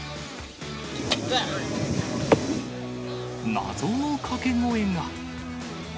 謎の掛け声が。